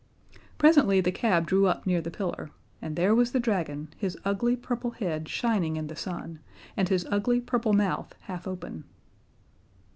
Presently the cab drew up near the pillar, and there was the dragon, his ugly purple head shining in the sun, and his ugly purple mouth half open.